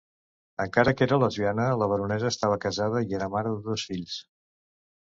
Encara que era lesbiana, la baronessa estava casada i era mare de dos fills.